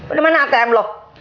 udah mana atm lu